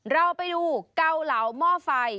เราไปดูเกาเหลาหม้อไฟ